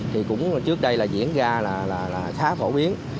thì cũng trước đây là diễn ra là khá phổ biến